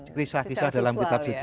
kisah kisah dalam kitab suci